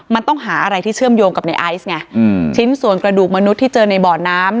มันต้องหาอะไรที่เชื่อมโยงกับในไอซ์ไงอืมชิ้นส่วนกระดูกมนุษย์ที่เจอในบ่อน้ำ